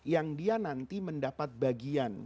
yang dia nanti mendapat bagian